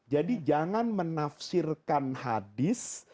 jadi jangan menafsirkan hadis